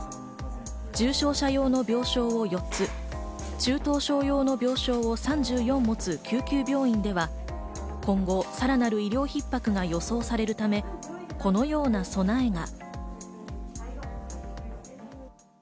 重症者用の病床を４つ、中等症用の病床を３４持つ救急病院では今後、さらなる医療ひっ迫が予想されるため、このような備えが。